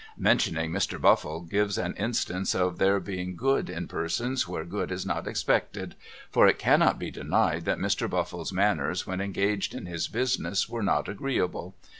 Mentioning Mr. Buffle gives an instance of there being good in persons where good is not expected, for it cannot be denied that Mr. Baffle's manners when engaged in his business were not agreeable.